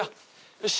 よし。